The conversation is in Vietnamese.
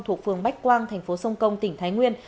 thuộc phường bách quang thành phố sông công tỉnh thái nguyên